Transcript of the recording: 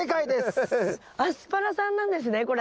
アスパラさんなんですねこれ。